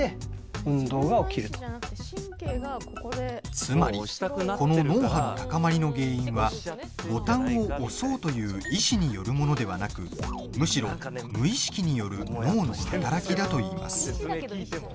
つまりこの脳波の高まりの原因はボタンを押そうという意志によるものではなくむしろ無意識による脳の働きだといいます。